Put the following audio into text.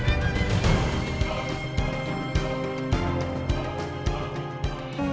saya tidak mau bahas kepentingan tadi